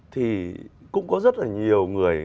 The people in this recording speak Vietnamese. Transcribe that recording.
thì cũng có rất là nhiều người